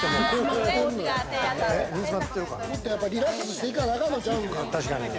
もっとリラックスしていかな、あかんのんちゃうか。